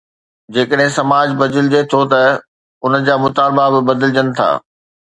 جيڪڏهن سماج بدلجي ٿو ته ان جا مطالبا به بدلجن ٿا.